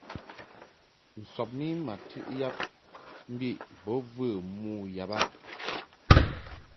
Sɔbni ma ntɨ yab mbiʼ bo və mo yab a.